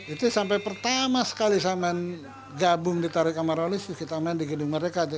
itu sampai pertama sekali saya main gabung ditarik sama roni sih kita main di gedung mereka